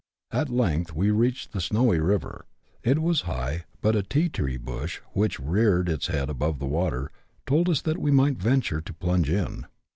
At length we reached the Snowy River. It was high, but a " tea tree " bush, which reared its head above the water, told us that we might venture to plunge in.